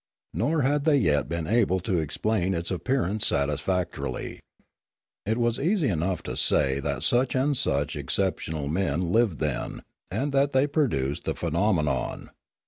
Nor had they yet been able to explain its appearance satisfactorily It was easy enough to say that such and such exceptional Discoveries 3°5 men lived then, and that they produced the phe nomenon.